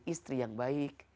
istri yang baik